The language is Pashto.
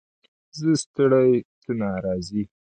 ـ زه ستړى ته ناراضي.